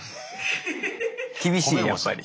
厳しいやっぱり。